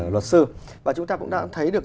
luật sư và chúng ta cũng đã thấy được